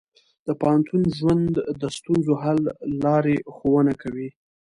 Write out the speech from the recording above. د پوهنتون ژوند د ستونزو حل لارې ښوونه کوي.